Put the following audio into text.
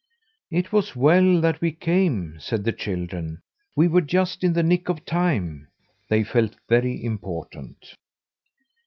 "It was well that we came," said the children. "We were just in the nick of time!" They felt very important.